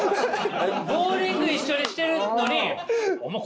ボウリング一緒にしてるのにお前